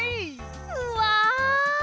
うわ！